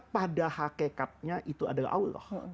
pada hakikatnya itu adalah allah